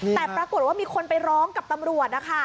แต่ปรากฏว่ามีคนไปร้องกับตำรวจนะคะ